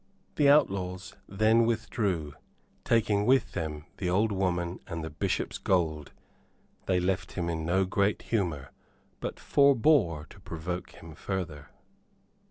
The outlaws then withdrew, taking with them the old woman and the Bishop's gold. They left him in no great humor; but forebore to provoke him further.